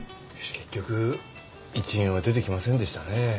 結局１円は出てきませんでしたね。